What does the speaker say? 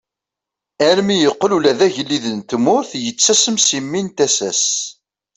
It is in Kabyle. Armi yeqqel ula d agellid n tmurt yettasem si mmi n tasa-s.